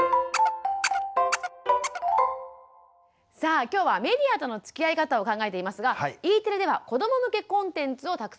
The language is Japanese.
さあ今日は「メディアとのつきあい方」を考えていますがＥテレでは子ども向けコンテンツをたくさん制作しています。